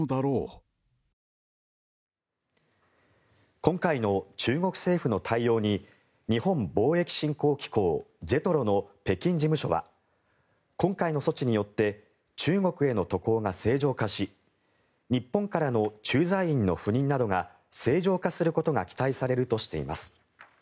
今回の中国政府の対応に日本貿易振興機構・ＪＥＴＲＯの北京事務所は今回の措置によって中国への渡航が正常化し日本からの駐在員の赴任などが正常化することが期待されるとしています。